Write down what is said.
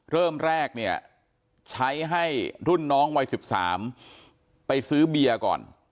เริ่มแรกเนี่ยใช้ให้รุ่นน้องวัย๑๓ไปซื้อเบียร์ก่อน